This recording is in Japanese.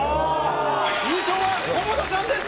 優勝は菰田さんです！